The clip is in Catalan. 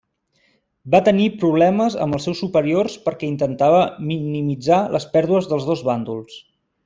Va tenir problemes amb els seus superiors perquè intentava minimitzar les pèrdues dels dos bàndols.